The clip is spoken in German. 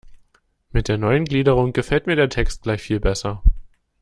Mit der neuen Gliederung gefällt mir der Text gleich viel besser.